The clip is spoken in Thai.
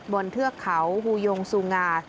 เทือกเขาฮูยงซูงา